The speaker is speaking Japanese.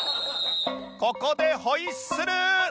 ここでホイッスル